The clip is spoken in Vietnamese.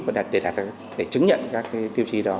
và để đạt để chứng nhận các tiêu chí đó